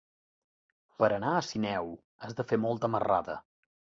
Per anar a Sineu has de fer molta marrada.